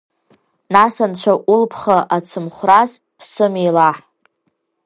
Нас анцәа улԥха ацымхәрас ԥсымиллаҳ!